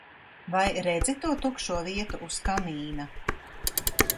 Vai redzi to tukšo vietu uz kamīna?